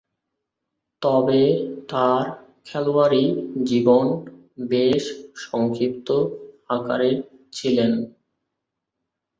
তবে, তার খেলোয়াড়ী জীবন বেশ সংক্ষিপ্ত আকারের ছিলেন।